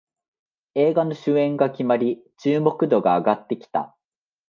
映画の主演が決まり注目度が上がってきた